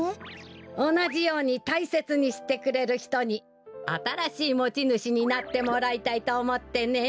おなじようにたいせつにしてくれるひとにあたらしいもちぬしになってもらいたいとおもってね。